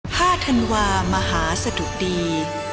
ห้าธันวามหาสดุดี